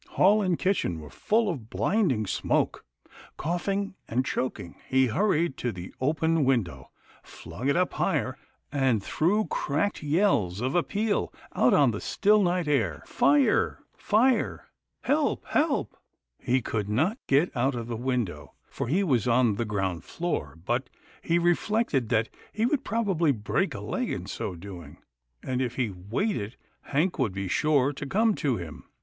Hall and kitchen were full of blinding smoke. Cough ing and choking, he hurried to the open window, flung it up higher, and threw cracked yells of appeal out on the still night air, " Fire ! Fire 1 Help! Help!" He could get out the window, for he was on the ground floor, but he reflected that he would probably break a leg in so doing, and if he waited. Hank would be sure to come to him.